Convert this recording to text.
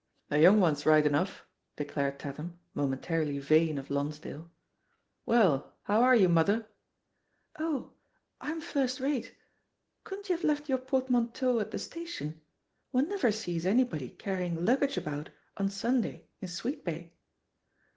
'* "The young one's right enough,'* declared Tatham, momentarily vain of Lonsdale. "Well, * how are you, mother?" "Oh, I'm first rate. Couldn't you have left your portmanteau at the station? One never sees anybody carrying luggage about on Sunday in Sweetbay."